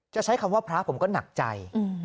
ใช้คำว่าพระผมก็หนักใจ